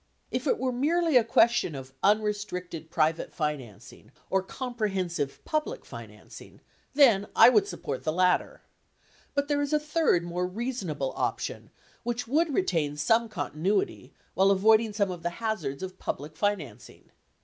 If it were merely a question of unrestricted, private financing, or comprehensive public financing, then I would support the latter. But, there is a third, more reasonable option which would retain some con tinuity while avoiding some of the hazards of public financing.